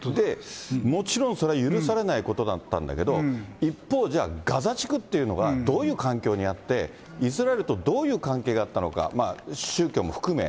もちろんそれは許されないことだったんだけど、一方じゃあ、ガザ地区というのがどういう環境にあって、イスラエルとどういう関係があったのか、宗教も含め。